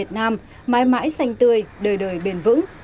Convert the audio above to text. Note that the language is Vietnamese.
thành tươi đời đời bền vững